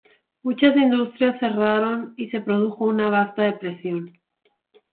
Muchas industrias cerraron y se produjo una vasta depresión.